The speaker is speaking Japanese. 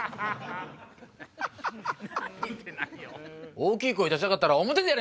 大きい声出したかったら表でやれ！